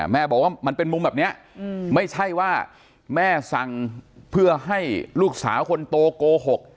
แม่บอกว่ามันเป็นมุมแบบนี้ไม่ใช่ว่าแม่สั่งเพื่อให้ลูกสาวคนโตโกหก